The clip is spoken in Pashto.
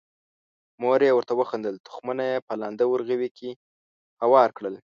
مور یې ورته وخندل، تخمونه یې په لانده ورغوي کې هوار کړل.